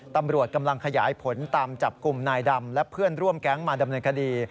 ตำรวจกำลังขยายผลตามจับกลุ่มนายดำและเพื่อนร่วมแก๊งมาดำเนินคดี